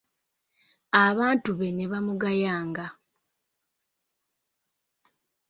Abantu be ne bamugayanga.